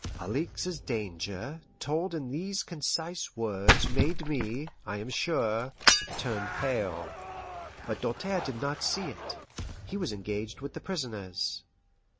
Alixe's danger told in these concise words made me, I am sure, turn pale; but Doltaire did not see it, he was engaged with the prisoners.